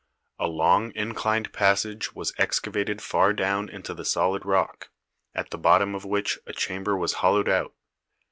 A long inclined passage was excavated far down into the solid rock, at the bottom of which a chamber was hollowed out.